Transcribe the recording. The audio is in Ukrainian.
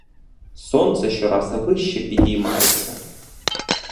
Сонце щораз вище підіймається.